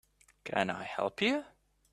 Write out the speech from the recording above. Can I help you?